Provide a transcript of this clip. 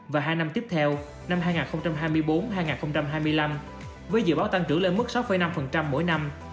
và hai năm tiếp theo năm hai nghìn hai mươi bốn hai nghìn hai mươi năm với dự báo tăng trưởng lên mức sáu năm mỗi năm